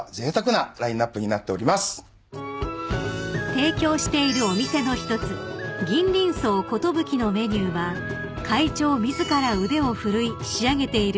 ［提供しているお店の一つ銀鱗荘ことぶきのメニューは会長自ら腕を振るい仕上げている］